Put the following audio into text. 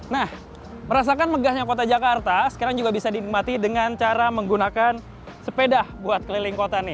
nah merasakan megahnya kota jakarta sekarang juga bisa dinikmati dengan cara menggunakan sepeda buat keliling kota nih